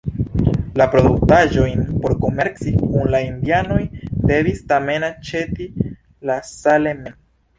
La produktaĵojn por komerci kun la Indianoj devis tamen aĉeti La Salle mem.